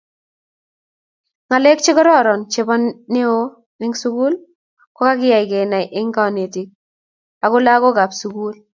Ngalek chegororon chebo neo eng sugul kogiyay kenai eng konetiik ago lagook kab sugul